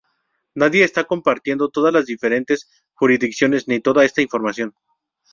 Nadie está compartiendo todas las diferentes jurisdicciones ni toda esta información.